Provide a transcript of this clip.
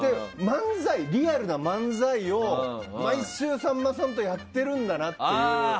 リアルな漫才を毎週さんまさんとやってるんだなって。